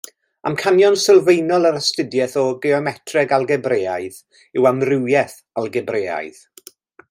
Amcanion sylfaenol yr astudiaeth o geometreg algebraidd yw amrywiaeth algebraidd.